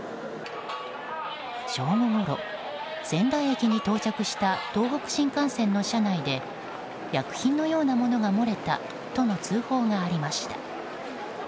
正午ごろ、仙台駅に到着した東北新幹線の車内で薬品のようなものが漏れたとの通報がありました。